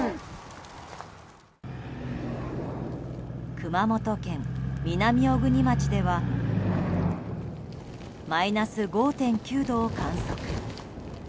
熊本県南小国町ではマイナス５．９度を観測。